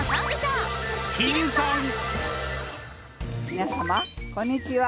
皆様こんにちは。